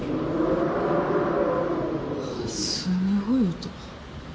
すごい音。